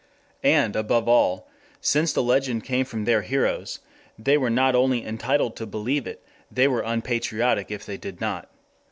And, above all, since the legend came from their heroes, they were not only entitled to believe it, they were unpatriotic if they did not.